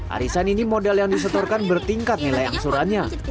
arisan ini modal yang disetorkan bertingkat nilai angsurannya